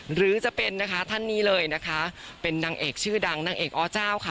หรือจะเป็นนะคะท่านนี้เลยนะคะเป็นนางเอกชื่อดังนางเอกอเจ้าค่ะ